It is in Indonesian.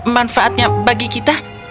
manfaatnya bagi kita